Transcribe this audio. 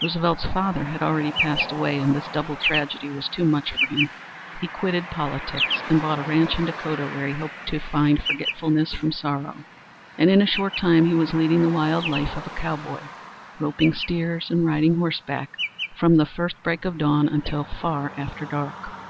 Roosevelt's father had already passed away, and this double tragedy was too much for him. He quitted politics and bought a ranch in Dakota, where he hoped to find forgetfulness from sorrow, and in a short time he was leading the wild life of a cowboy, roping steers and riding horseback from the first break of dawn until far after dark.